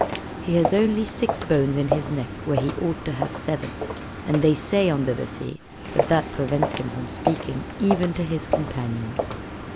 He has only six bones in his neck where he ought to have seven, and they say under the sea that that prevents him from speaking even to his companions.